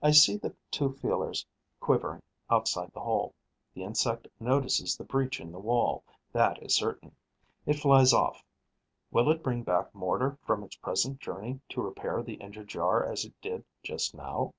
I see the two feelers quivering outside the hole. The insect notices the breach in the wall: that is certain. It flies off. Will it bring back mortar from its present journey to repair the injured jar as it did just now?